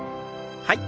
はい。